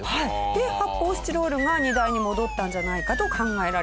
で発泡スチロールが荷台に戻ったんじゃないかと考えられるそうです。